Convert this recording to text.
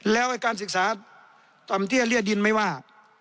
แล้วไอ้การศึกษาต่ำเตี้ยเรียดินไม่ว่า